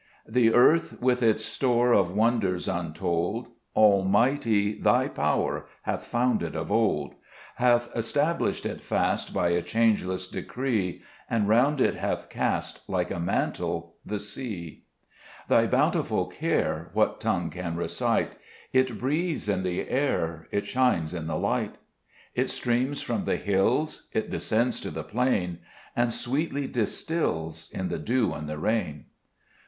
3 The earth with its store of wonders un told, Almighty, Thy power hath founded of old'; Hath established it fast by a changeless decree, And round it hath cast, like a mantle, the sea. 45 Zbc Meet Cburcb IbEmns, 4 Thy bountiful care what tongue can recite ? It breathes in the air ; it shines in the light ; It streams from the hills ; it descends to the plain ; And sweetly distils in the dew and the rain.